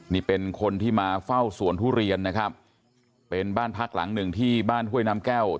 นี่เป็นคนที่มาเฝ้าสวนทุเรียนนะครับเป็นบ้านพักหลังหนึ่งที่บ้านห้วยน้ำแก้ว